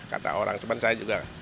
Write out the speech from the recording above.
kata orang cuman saya juga